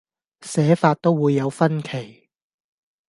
寫法都會有分歧